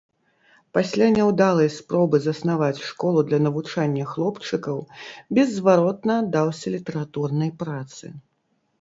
Пасля няўдалай спробы заснаваць школу для навучання хлопчыкаў, беззваротна аддаўся літаратурнай працы.